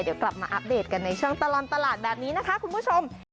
เดี๋ยวกลับมาอัปเดตกันในช่วงตลอดตลาดแบบนี้นะคะคุณผู้ชม